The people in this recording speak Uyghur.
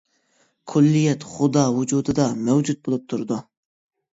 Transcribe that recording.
كۈللىيات خۇدا ۋۇجۇدىدا مەۋجۇت بولۇپ تۇرىدۇ.